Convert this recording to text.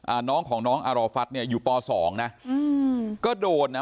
น้องของน้องอารอฟัสเนี่ยอยู่ปสองนะอืมก็โดนนะ